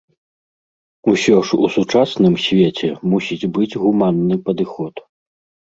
Усё ж у сучасным свеце мусіць быць гуманны падыход.